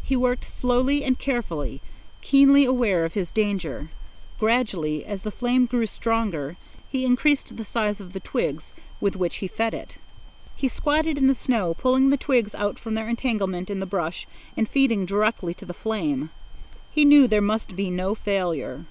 He worked slowly and carefully, keenly aware of his danger. Gradually, as the flame grew stronger, he increased the size of the twigs with which he fed it. He squatted in the snow, pulling the twigs out from their entanglement in the brush and feeding directly to the flame. He knew there must be no failure.